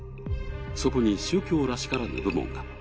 そこに宗教らしからぬ部門が。